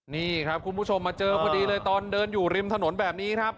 นี่ครับคุณผู้ชมมาเจอพอดีเลยตอนเดินอยู่ริมถนนแบบนี้ครับ